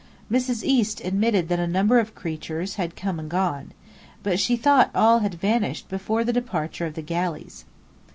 Mrs. East admitted that a number of "creatures" had come and gone. But she thought all had vanished before the departure of the galleys.